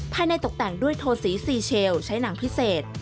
ตกแต่งด้วยโทสีซีเชลใช้หนังพิเศษ